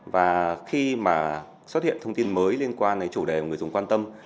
và khi mà xuất hiện thông tin mới liên quan đến chủ đề mà người dùng quan tâm